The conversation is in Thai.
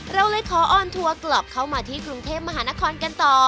เราเลยขอออนทัวร์กลับเข้ามาที่กรุงเทพมหานครกันต่อ